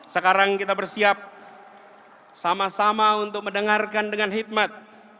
sekarang kita bersiap sama sama untuk mendengarkan dengan hikmat